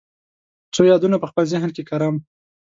څو یادونه په خپل ذهن کې کرم